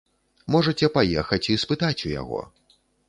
Можаце паехаць і спытаць у яго.